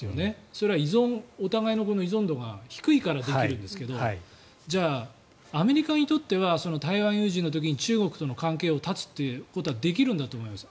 それはお互いの依存度が低いからできるんですけどじゃあ、アメリカにとっては台湾有事の時に中国との関係を断つということはできるんだと思います。